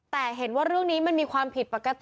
แต่เห็นว่าเรื่องนี้มันมีความผิดปกติ